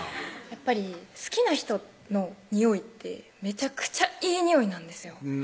やっぱり好きな人の匂いってめちゃくちゃいい匂いなんですよ